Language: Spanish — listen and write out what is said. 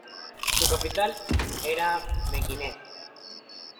Su capital era Mequinez.